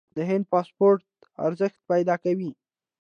د هند پاسپورت ارزښت پیدا کوي.